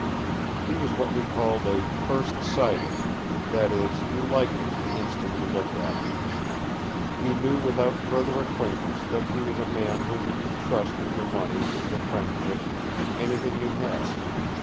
He was what we called a "first sighter" that is, you liked him the instant you looked at him. You knew without further acquaintance that he was a man whom you could trust with your money, your friendship anything you had.